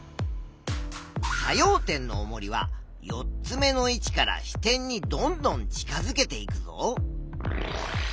作用点のおもりは４つ目の位置から支点にどんどん近づけていくぞ。